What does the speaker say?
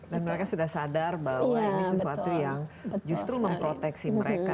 dan mereka sudah sadar bahwa ini sesuatu yang justru memproteksi mereka kan